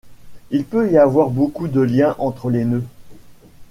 Il peut y avoir beaucoup de liens entre les nœuds.